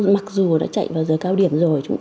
mặc dù nó chạy vào giờ cao điểm rồi